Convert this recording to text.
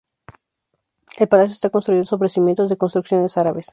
El palacio está construido sobre cimientos de construcciones árabes.